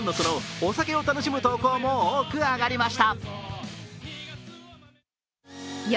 お酒を楽しむ投稿も多く上がりました。